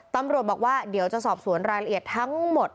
ตำรวจบอกว่าเดี๋ยวจะสอบสวนรายละเอียดทั้งหมด